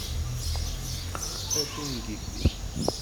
A tungifin!